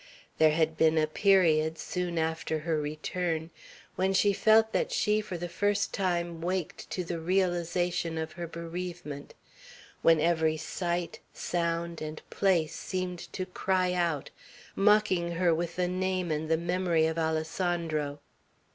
There had been a period, soon after her return, when she felt that she for the first time waked to the realization of her bereavement; when every sight, sound, and place seemed to cry out, mocking her with the name and the memory of Alessandro.